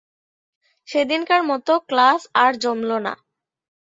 সেদিনকার মতো ক্লাস আর জমল না।